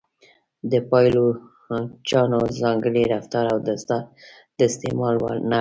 د پایلوچانو ځانګړی رفتار او دستار د استعمال وړ نه و.